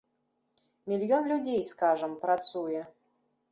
Мільён людзей, скажам, працуе.